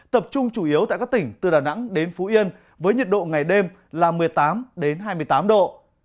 tập trung chủ yếu tại các tỉnh từ đà nẵng đến phú yên với nhiệt độ ngày đêm là một mươi tám hai mươi tám độ